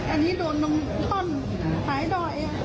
อันนี้โดนตรงห้อนหายดอยอ่ะ